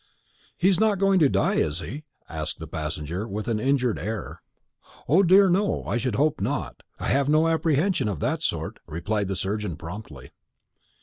"He's not going to die, is he?" asked the passenger, with an injured air. "O dear, no, I should hope not. I have no apprehension of that sort," replied the surgeon promptly.